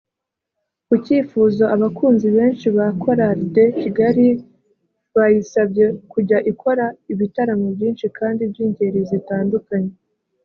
Ku cyifuzo abakunzi benshi ba Chorale de Kigali bayisabye kujya ikora ibitaramo byinshi kandi by’ingeri zitandukanye